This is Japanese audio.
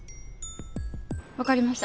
わかりました。